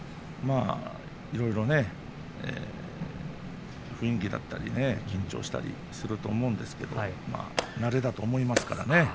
いろいろ雰囲気だったり緊張したりすると思うんですけれど慣れだと思いますからね。